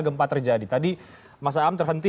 gempa terjadi tadi mas am terhenti